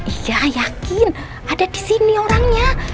iya yakin ada di sini orangnya